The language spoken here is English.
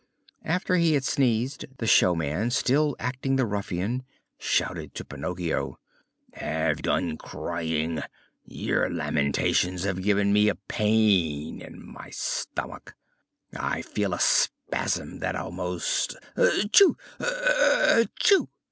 After he had sneezed, the showman, still acting the ruffian, shouted to Pinocchio: "Have done crying! Your lamentations have given me a pain in my stomach. I feel a spasm that almost Etchoo! etchoo!"